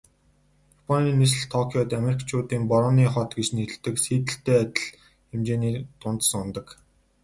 Японы нийслэл Токиод Америкчуудын Борооны хот гэж нэрлэдэг Сиэтллтэй адил хэмжээний тунадас унадаг.